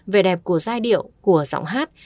về đẹp của giai điệu của giọng hát